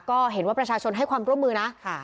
ก็เห็นว่าประชาชนให้ความร่วมมือนะ